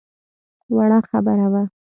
وړه خبره وه.